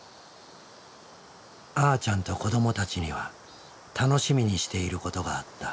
あーちゃんと子どもたちには楽しみにしていることがあった。